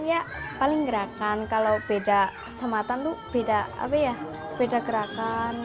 kalau di rombongan ya paling gerakan kalau beda kecamatan tuh beda gerakan